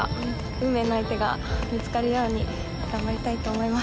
運命の相手が見つかるように頑張りたいと思います。